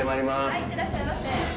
はい、行ってらっしゃいませ。